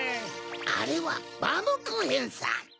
あれはバームクーヘンさん。